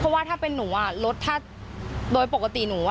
เพราะว่าถ้าเป็นหนูอ่ะรถถ้าโดยปกติหนูอ่ะ